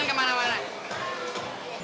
kamu jangan kemana mana